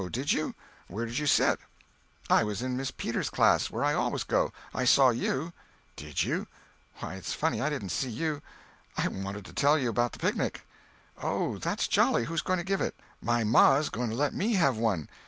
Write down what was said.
Did you? Where did you sit?" "I was in Miss Peters' class, where I always go. I saw you." "Did you? Why, it's funny I didn't see you. I wanted to tell you about the picnic." "Oh, that's jolly. Who's going to give it?" "My ma's going to let me have one."